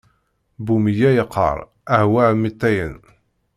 Bu meyya iqqaṛ: awah a mitayen!